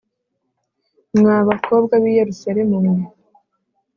Mwa bakobwa b’i Yerusalemu mwe